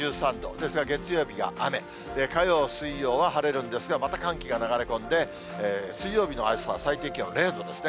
ですが月曜日が雨、火曜、水曜は晴れるんですが、また寒気が流れ込んで、水曜日の朝、最低気温０度ですね。